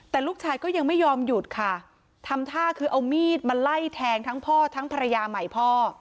แต่ลูกชายก็ยังไม่ยอมหยุดค่ะทำท่าคือเอามีดมาไล่แทงทั้งพ่อทั้งภรรยาใหม่พ่อ